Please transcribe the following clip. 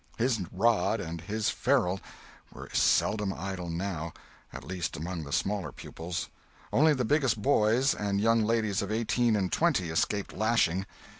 His rod and his ferule were seldom idle now—at least among the smaller pupils. Only the biggest boys, and young ladies of eighteen and twenty, escaped lashing.